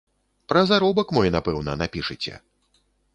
Пра заробак мой, напэўна, напішыце.